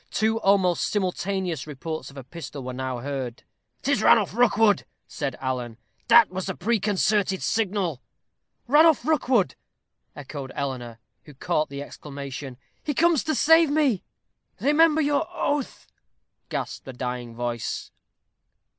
Two almost simultaneous reports of a pistol were now heard. "'Tis Ranulph Rookwood," said Alan; "that was the preconcerted signal." "Ranulph Rookwood," echoed Eleanor, who caught the exclamation: "he comes to save me." "Remember your oath," gasped a dying voice.